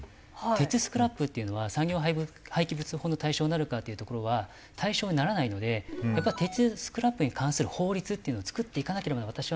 鉄スクラップっていうのは産業廃棄物法の対象になるかっていうところは対象にならないのでやっぱり鉄スクラップに関する法律っていうのを作っていかなければ私は。